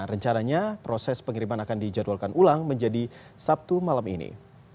rencananya proses pengiriman akan dijadwalkan ulang menjadi sabtu malam ini